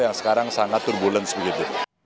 yang sekarang sangat turbulent